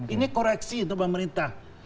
ini koreksi untuk pemerintah